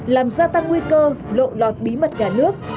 làm gia tăng nguy cơ lộ lọt bí mật nhà nước